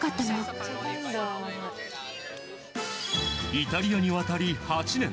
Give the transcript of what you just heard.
イタリアにわたり８年。